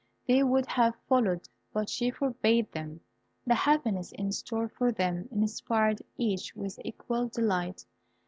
They would have followed, but she forbade them. The happiness in store for them inspired each with equal delight.